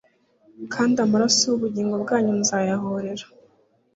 Kandi amaraso y’ubugingo bwanyu nzayahorera